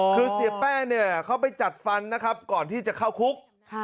คือเสียแป้งเนี่ยเขาไปจัดฟันนะครับก่อนที่จะเข้าคุก